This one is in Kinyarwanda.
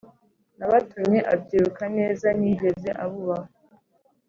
N’abatumye abyiruka neza ntiyigeze abubaha